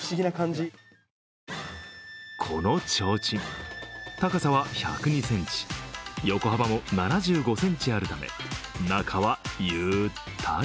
このちょうちん、高さは１０２ｃｍ横幅も７５ｃｍあるため、中はゆったり。